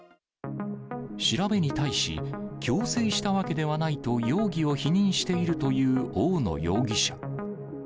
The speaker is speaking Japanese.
調べに対し、強制したわけではないと容疑を否認しているという大野容疑者。